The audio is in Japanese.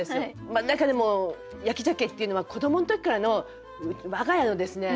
中でも焼鮭っていうのは子どもの時からの我が家のですね